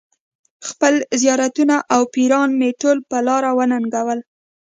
خپل زیارتونه او پیران مې ټول په لاره وننګول.